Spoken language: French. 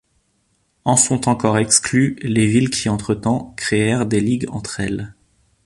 En sont encore exclues les villes qui entre-temps créèrent des ligues entre elles.